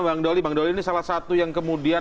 bang dolly bang dolly ini salah satu yang kemudian